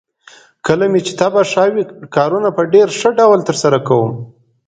کله مې چې طبعه ښه وي، کارونه په ډېر ښه ډول ترسره کوم.